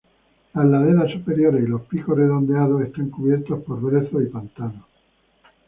Las laderas superiores y los picos redondeados están cubiertos por brezo y pantanos.